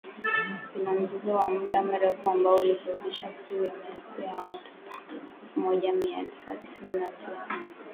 Zina mzozo wa muda mrefu ambao ulisababisha vifo vya maelfu ya watu mwaka elfu moja mia tisa tisini na tisa na mwaka elfu mbili na tatu